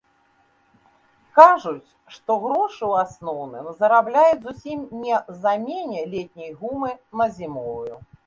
Кажуць, што грошы ў асноўным зарабляюць зусім не замене летняй гумы на зімовую.